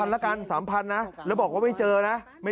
ละกัน๓๐๐นะแล้วบอกว่าไม่เจอนะ